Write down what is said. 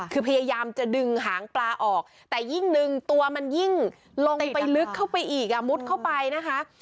คือพยายามจะดึงหางปลาออกแต่ยิ่งหนึ่งตัวมันยิ่งลงไปลึกเข้าไปอีกอ่ะมุดเข้าไปนะคะ